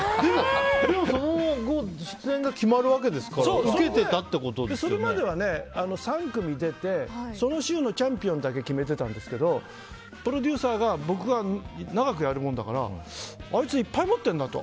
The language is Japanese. でも、その後出演が決まるわけですからそれまでは３組出てその週のチャンピオンだけ決めてたんですけどプロデューサーが僕が長くやるもんだからあいつ、いっぱい持ってんなと。